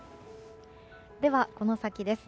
では、この先です。